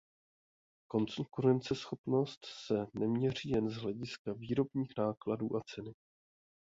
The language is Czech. Konkurenceschopnost se neměří jen z hlediska výrobních nákladů a ceny.